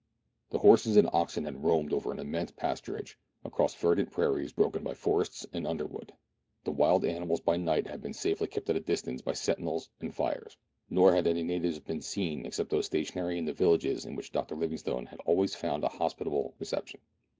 The horses and oxen had roamed over an immense pasturage, across verdant prairies broken by forests and underwood. The wild animals by night had been safely kept at a distance by sentinels and fires, nor had any natives been seen except those stationary in the villages in which Dr. Livingstone had always found a hospitable reception.